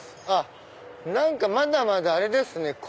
あっまだまだあれですね。